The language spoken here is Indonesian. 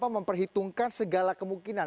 memperhitungkan segala kemungkinan